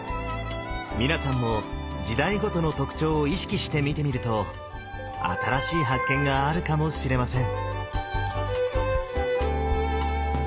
皆さんも時代ごとの特徴を意識して見てみると新しい発見があるかもしれません。